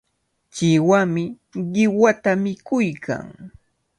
Chiwami qiwata mikuykan.